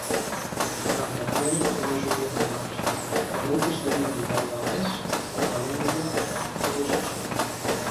A Gran Bretanya, la majoria de noms de rutes deriven del gal·lès o la llengua anglosaxona.